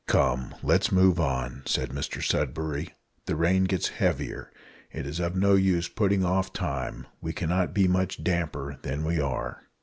"Come, let us move on," said Mr Sudberry, "the rain gets heavier. It is of no use putting off time, we cannot be much damper than we are."